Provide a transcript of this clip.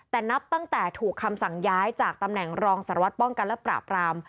แต่นับตั้งแต่ถูกคำสั่งย้ายจากตำแหน่งรองสารวัตรป้องกันและปราบราม